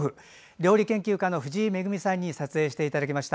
料理研究家の藤井恵さんに撮影していただきました。